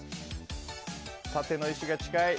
縦の石が近い。